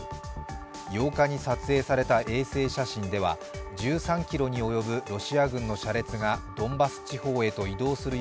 ８日に撮影された衛星写真では１３ｋｍに及ぶロシア軍の車列がドンバス地方へと移動する